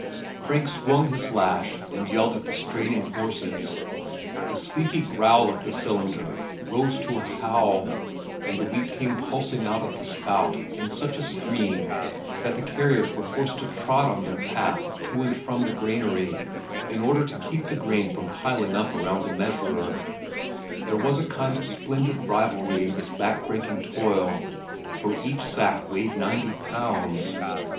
Frank swung his lash and yelled at the straining horses, the sleepy growl of the cylinder rose to a howl and the wheat came pulsing out at the spout in such a stream that the carriers were forced to trot on their path to and from the granary in order to keep the grain from piling up around the measurer. There was a kind of splendid rivalry in this backbreaking toil for each sack weighed ninety pounds.